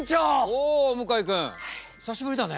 おお向井君久しぶりだね。